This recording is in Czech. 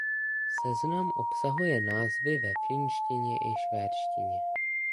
Seznam obsahuje názvy ve finštině i švédštině.